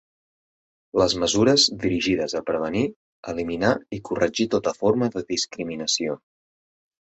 Les mesures dirigides a prevenir, eliminar i corregir tota forma de discriminació.